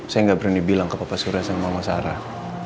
saya gak berani bilang ke papa surya sama mama sarah